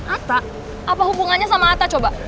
atta apa hubungannya sama atta coba